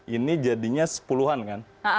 ini jadinya sepuluhan kan